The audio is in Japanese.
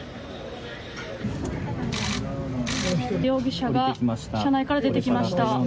容疑者が車内から出てきました。